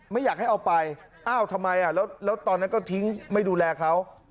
ไม่อยากให้เอาไปอ้าวทำไมแล้วตอนนั้นก็ทิ้งไม่ดูแลเขา